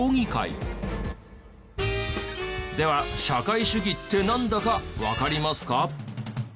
社会主義ってなんだかわかりますか？